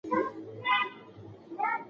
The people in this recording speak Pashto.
انګرېزانو ستره ماته وخوړه.